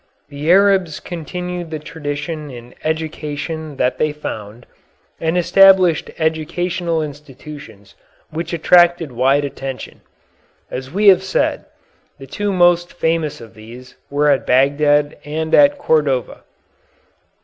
The Arabs continued the tradition in education that they found, and established educational institutions which attracted wide attention. As we have said, the two most famous of these were at Bagdad and at Cordova.